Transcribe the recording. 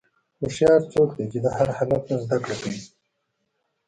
هوښیار څوک دی چې د هر حالت نه زدهکړه کوي.